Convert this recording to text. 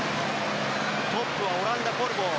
トップはオランダのコルボー。